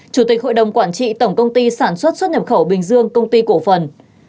chủ tịch hội đồng quản trị tổng công ty sản xuất xuất nhập khẩu bình dương công ty cổ phần